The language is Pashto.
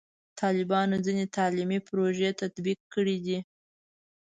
طالبانو ځینې تعلیمي پروژې تطبیق کړي دي.